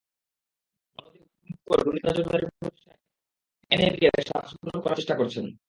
অন্যদিকে supreme court দুর্নীতি নজরদারি প্রতিষ্ঠান এনএবিকে সাফসুতরো করার চেষ্টা করছেন।